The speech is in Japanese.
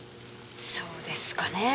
そうですかねぇ。